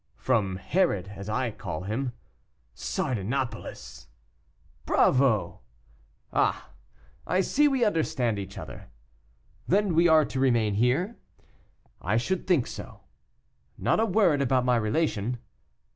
"From Herod, as I call him." "Sardanapalus." "Bravo!" "Ah! I see we understand each other." "Then we are to remain here?" "I should think so." "Not a word about my relation."